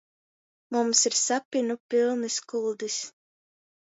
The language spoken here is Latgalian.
Mums ir sapynu pylnys kuldys.